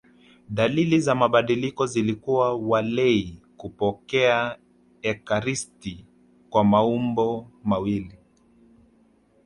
Dalili za mabadiliko zilikuwa walei kupokea ekaristi kwa maumbo mawili